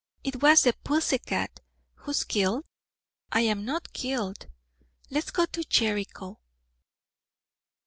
It was the pussy cat. Who's killed? I'm not killed. Let's go to Jericho."